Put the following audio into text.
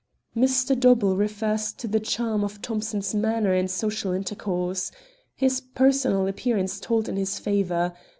Mr. Dobell refers to the charm of Thomson's manner in social intercourse. His personal appearance told in his favor.